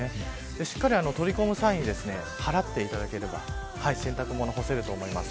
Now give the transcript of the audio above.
しっかり取り込む際に払っていただければ洗濯物も干せると思います。